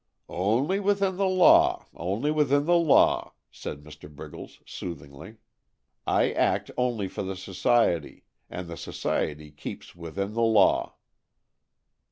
"Only within the law, only within the law!" said Mr. Briggles soothingly. "I act only for the Society, and the Society keeps within the law."